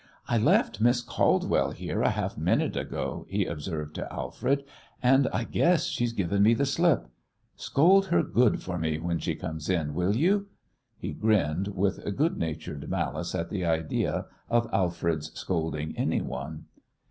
"I left Miss Caldwell here a half minute ago," he observed to Alfred, "and I guess she's given me the slip. Scold her good for me when she comes in will you?" He grinned, with good natured malice at the idea of Alfred's scolding anyone.